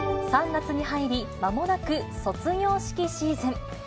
３月に入り、まもなく卒業式シーズン。